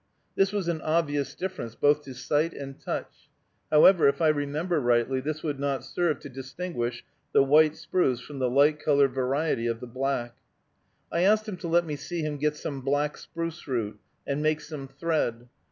This was an obvious difference, both to sight and touch. However, if I remember rightly, this would not serve to distinguish the white spruce from the light colored variety of the black. I asked him to let me see him get some black spruce root, and make some thread.